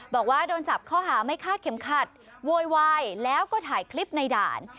บอกว่าโดนจับข้อหาไม่คาดเข็มขัดโวยวายแล้วก็ถ่ายคลิปในด่าน